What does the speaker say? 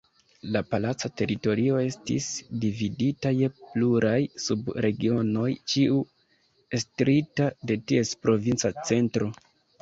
La palaca teritorio estis dividita je pluraj sub-regionoj, ĉiu estrita de ties provinca centro.